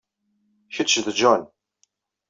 Kečč d John.